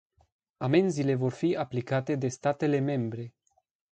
Amenzile vor fi aplicate de statele membre.